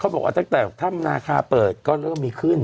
บอกว่าตั้งแต่ถ้ำนาคาเปิดก็เริ่มมีขึ้น